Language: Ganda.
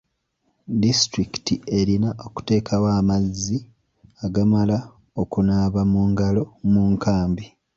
Disitulikiti erina okuteekawo amazzi agamala okunaaba mu ngalo mu nkambi.